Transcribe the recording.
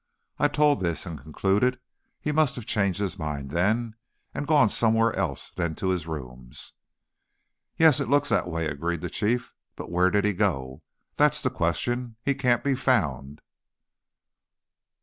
I told this, and concluded, "he must have changed his mind, then, and gone somewhere else than to his rooms." "Yes, it looks that way," agreed the Chief. "But where did he go? That's the question. He can't be found."